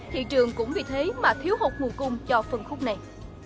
thị trường cũng vì thế mà thiếu hột mù cung cho phần khúc này